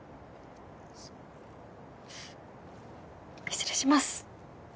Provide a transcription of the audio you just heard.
失礼します。